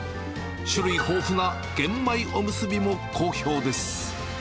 種類豊富な玄米おむすびも好評です。